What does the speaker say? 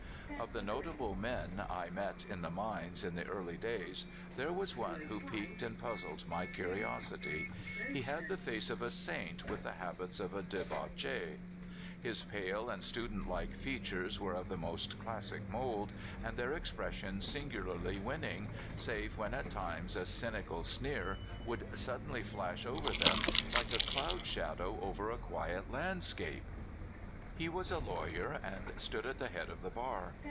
Of the notable men I met in the mines in the early days, there was one who piqued and puzzled my curiosity. He had the face of a saint with the habits of a "debauchee. His pale and studentlike features were of the most classic mold, and their expression singularly winning, save when at times a cynical sneer would suddenly flash over them like a cloud shadow over a quiet landscape. He was a lawyer, and stood at the head of the bar.